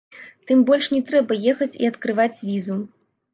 Тым больш не трэба ехаць і адкрываць візу.